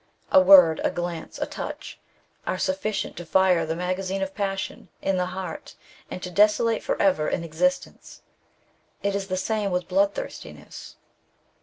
A word, a glance, a touch, are sufficient to fire the magazine of passion in the heart, and to desolate for ever an existence. It is the same with bloodthirstiness.